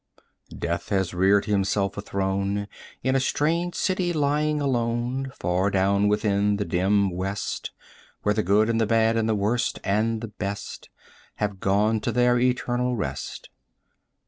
Death has reared himself a throne In a strange city lying alone Far down within the dim West, Where the good and the bad and the worst and the best Have gone to their eternal rest.